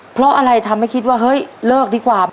เพราะอะไรทำให้คิดว่าเฮ้ยเลิกดีกว่า